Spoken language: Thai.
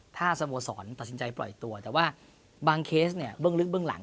ถ้าสโมสรตัดสินใจปล่อยตัวแต่ว่าบางเคสเนี่ยเบื้องลึกเบื้องหลัง